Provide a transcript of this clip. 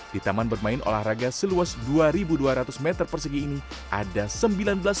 di taman bermain olahraga seluas dua dua ratus meter persegi ini ada sembilan belas spot permainan sport virtual